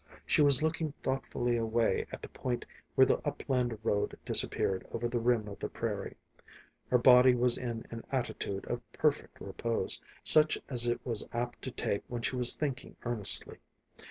She was looking thoughtfully away at the point where the upland road disappeared over the rim of the prairie. Her body was in an attitude of perfect repose, such as it was apt to take when she was thinking earnestly.